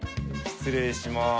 失礼します。